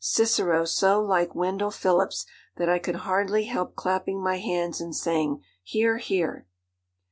Cicero so like Wendell Phillips that I could hardly help clapping my hands and saying, "Hear! hear!"